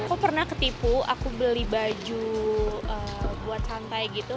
aku pernah ketipu aku beli baju buat santai gitu